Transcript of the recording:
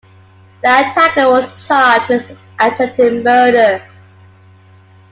The attacker was charged with attempted murder.